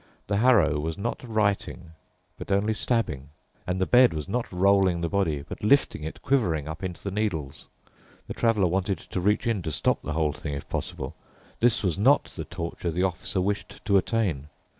The harrow was not writing but only stabbing, and the bed was not rolling the body, but lifting it, quivering, up into the needles. The Traveler wanted to reach in to stop the whole thing, if possible. This was not the torture the Officer wished to attain.